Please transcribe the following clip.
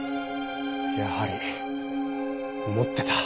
やはり持ってた。